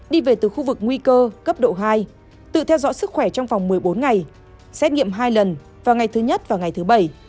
đi về từ khu vực nguy cơ cấp độ hai tự theo dõi sức khỏe trong vòng một mươi bốn ngày xét nghiệm hai lần vào ngày thứ nhất và ngày thứ bảy